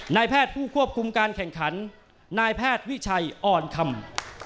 นายแพทย์ผู้ควบคุมการแข่งขันนายแพทย์วิชัยอ่อนคำ